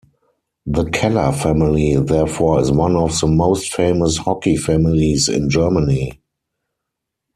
The Keller family therefore is one of the most famous hockey families in Germany.